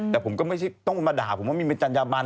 แต่ผมก็ไม่ต้องมาด่าผมว่ามีเมจัญบัน